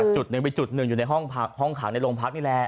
จุดหนึ่งเป็นจุดหนึ่งอยู่ในห้องขังในโรงพักนี่แหละ